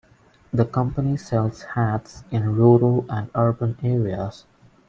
The company sells hats in rural and urban areas.